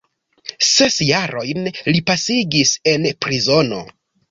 Ses jarojn li pasigis en prizono.